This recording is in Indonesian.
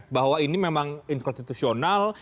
bahwa ini memang inkonstitusional